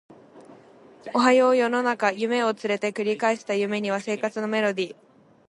おはよう世の中夢を連れて繰り返した夢には生活のメロディ